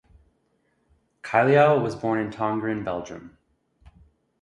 Cailliau was born in Tongeren, Belgium.